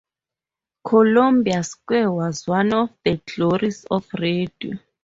Columbia Square was one of the glories of radio.